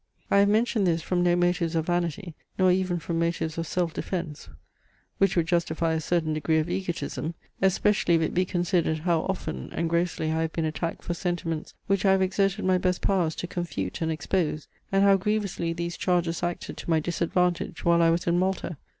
I have mentioned this from no motives of vanity, nor even from motives of self defence, which would justify a certain degree of egotism, especially if it be considered, how often and grossly I have been attacked for sentiments, which I have exerted my best powers to confute and expose, and how grievously these charges acted to my disadvantage while I was in Malta.